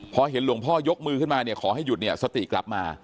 พอเห็นหลวงพ่อยกมือขึ้นมาขอให้หยุดสติกลับมา